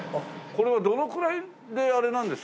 これはどのくらいであれなんですか？